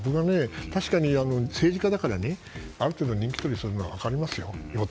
確かに政治家だからある程度人気取りするのは分かりますよ。